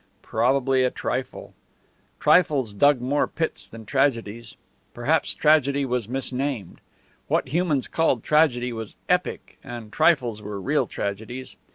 Probably a trifle; trifles dug more pits than tragedies. Perhaps tragedy was mis named. What humans called tragedy was epic, and trifles were real tragedies.